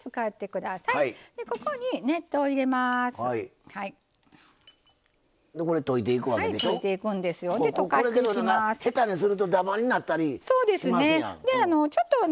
下手にするとダマになったりしますやん。